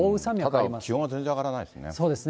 ただ気温は全然上がらないでそうですね。